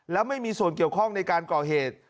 แล้วไม่มีส่วนเกี่ยวข้องในการก่อเหตุ